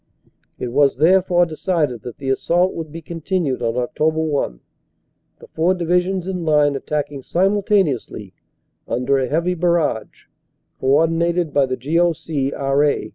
It was therefore decided that the assault would be continued on Oct. 1, the four Divisions in line attacking OPERATIONS : SEPT. 30 OCT. 2 259 simultaneously under a heavy barrage, co ordinated by the G.O.C., R.A.